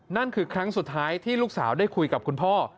นั่นคือครั้งสุดท้ายที่ลูกสาวได้คุยกับคุณพ่อ